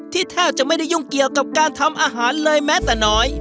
แทบจะไม่ได้ยุ่งเกี่ยวกับการทำอาหารเลยแม้แต่น้อย